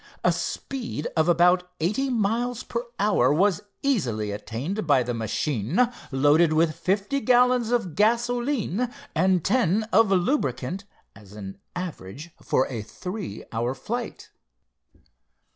A speed of about eighty miles per hour was easily attained by the machine loaded with fifty gallons of gasoline and ten of lubricant, as an average for a three hour flight.